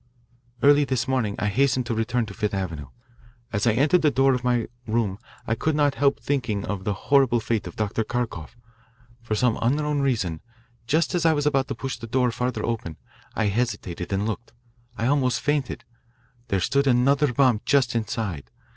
"Early this morning I hastened to return to Fifth Avenue. As I entered the door of my room I could not help thinking of the horrible fate of Dr. Kharkoff. For some unknown reason, just as I was about to push the door farther open, I hesitated and looked I almost fainted. There stood another bomb just inside.